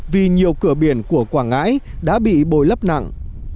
vì nhiều cửa biển của quảng ngãi đã bị bồi lấp nặng